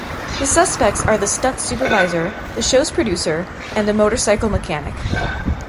The suspects are the stunt supervisor, the show's producer and a motorcycle mechanic.